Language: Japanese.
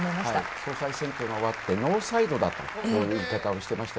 総裁選挙が終わってノーサイドだという言い方をしていました。